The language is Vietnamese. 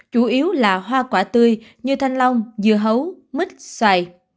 chủ yếu là hoa quả tươi như thanh long dưa hấu mít xoài